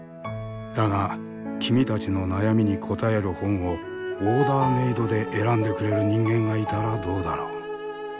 だが君たちの悩みに答える本をオーダーメードで選んでくれる人間がいたらどうだろう？